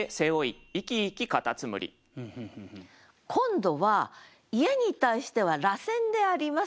今度は家に対しては螺旋でありますよと。